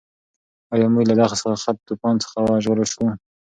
ایا موږ له دغه سخت طوفان څخه وژغورل شوو؟